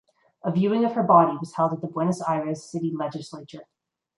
A viewing of her body was held at the Buenos Aires City Legislature.